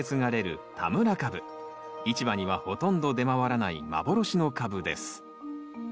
市場にはほとんど出回らない幻のカブです。